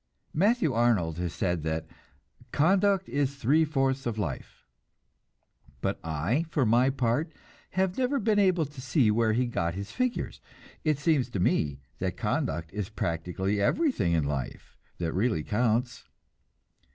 Matthew Arnold has said that "Conduct is three fourths of life"; but I, for my part, have never been able to see where he got his figures. It seems to me that conduct is practically everything in life that really counts.